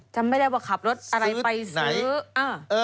จำไม่ได้ว่าขับรถอะไรไปซื้อ